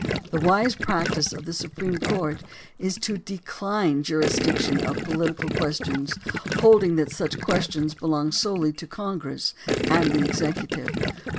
The wise practice of the Supreme Court is to decline jurisdiction of political questions, holding that such questions belong solely to Congress and the executive.